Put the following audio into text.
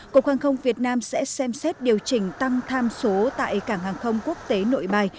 cục hàng không việt nam sẽ xem xét điều chỉnh tăng tham số tại cảng hàng không quốc tế nội bài